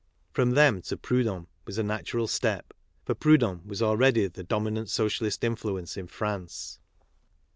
From them to Proud hon was a natural step, for Proudhon was already the dominant socialist influence in France.